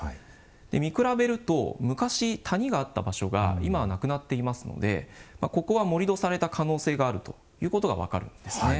見比べると、昔谷があった場所が今はなくなっていますのでここは盛土された可能性があるということが分かるんですね。